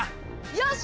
よし！